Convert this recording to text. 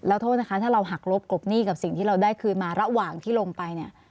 แล้วโทษนะคะถ้าเราหักลบกลบหนี้กับสิ่งที่เราได้คืนมาระหว่างที่ลงไปเนี่ย